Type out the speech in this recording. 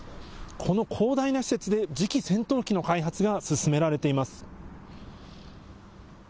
この広大な施設で、次期戦闘機の開発が進められています。